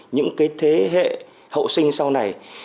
những cái thế hệ hậu sinh sau này